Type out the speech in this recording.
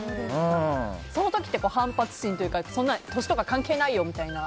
その時って、反発心とか年とか関係ないよみたいな？